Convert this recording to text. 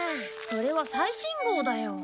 それは最新号だよ。